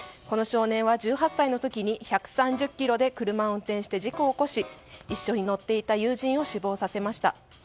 この少年は１８歳の時に１３０キロで車を運転して事故を起こし一緒に乗っていた友人を死亡させました。